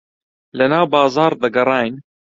لەناو بازاڕ دەگەڕاین.